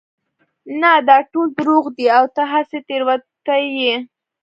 نه دا ټول دروغ دي او ته هسې تېروتي يې